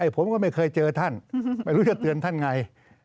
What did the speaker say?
ผมก็ไม่เคยเจอท่านไม่รู้จะเตือนท่านไง